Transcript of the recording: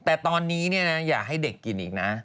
แต่ตอนนี้อย่าให้เด็กกินอีกนะ